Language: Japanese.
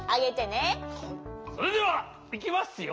それではいきますよ。